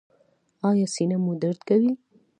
ایا سینه مو درد کوي؟